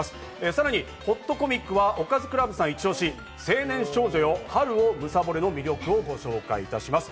さらに、ほっとコミックはおかずクラブさんイチオシ、『青年少女よ、春を貪れ。』の魅力をご紹介いたします。